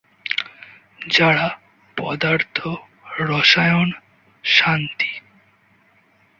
যারা পদার্থ, রসায়ন, শান্তি।